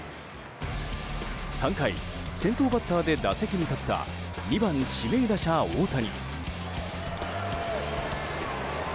３回、先頭バッターで打席に立った２番指名打者、大谷。